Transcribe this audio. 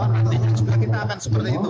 artinya juga kita akan seperti itu